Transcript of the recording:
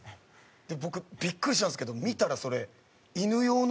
で僕ビックリしたんですけど見たらそれえっ！